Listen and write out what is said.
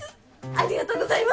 ありがとうございます！